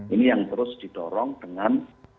ini yang terus didorong dengan